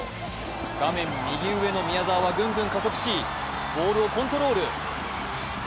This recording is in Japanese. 画面右上の宮澤はぐんぐん加速し、ボールをコントロール。